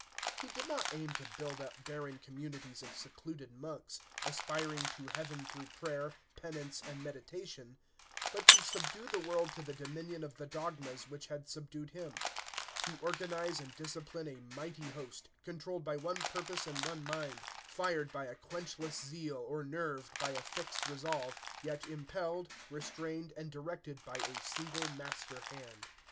He did not aim to build up barren communities of secluded monks, aspiring to heaven through prayer, penance, and meditation, but to subdue the world to the dominion of the dogmas which had subdued him; to organize and discipline a mighty host, controlled by one purpose and one mind, fired by a quenchless zeal or nerved by a fixed resolve, yet impelled, restrained, and directed by a single master hand.